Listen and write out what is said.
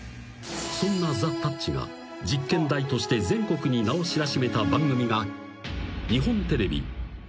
［そんなザ・たっちが実験台として全国に名を知らしめた番組が］